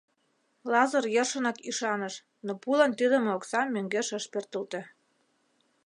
Лазыр йӧршынак ӱшаныш, но пулан тӱлымӧ оксам мӧҥгеш ыш пӧртылтӧ.